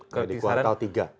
jadi kuartal ke tiga